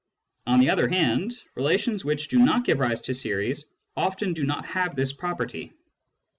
On the other hand, relations which do not give rise to series often do not have this property.